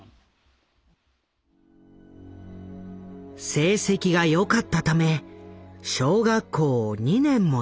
成績が良かったため小学校を２年も飛び級。